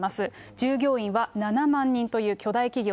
従業員は７万人という巨大企業。